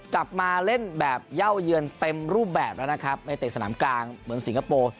กลับมาเล่นแบบเย่าเยือนเต็มรูปแบบแล้วนะครับในเตะสนามกลางเมืองสิงคโปร์